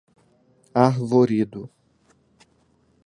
Arvoredo